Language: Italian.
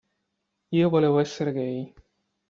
Io volevo essere gay.